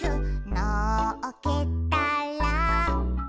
「のっけたら」